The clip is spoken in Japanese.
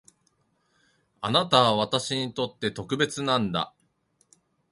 あなたは私にとって特別なんだ